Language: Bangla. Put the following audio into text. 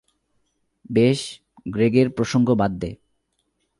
বেশ, গ্রেগের প্রসঙ্গ বাদ দে।